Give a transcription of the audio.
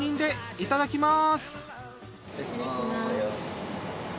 いただきます。